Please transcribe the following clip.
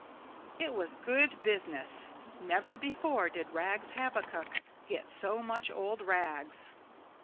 It was good business. Never before did Rags Habakuk get so much old rags.